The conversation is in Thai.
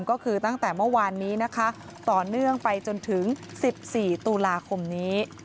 ก็คือตั้งแต่เมื่อวานนี้นะคะต่อเนื่องไปจนถึง๑๔ตุลาคมนี้